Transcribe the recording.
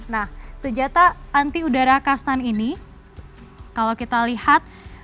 nah senjata anti udara kastan ini kalau kita lihat